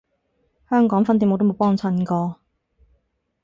香港分店我都冇幫襯過